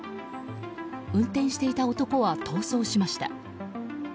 運転していた男は逃走しました。